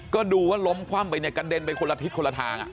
ก็ดูว่าล้มคว่ำไปเนี่ยกระเด็นไปคนละทิศคนละทาง